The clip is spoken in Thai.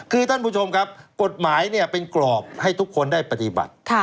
คือท่านผู้ชมครับกฎหมายเป็นกรอบให้ทุกคนได้ปฏิบัติ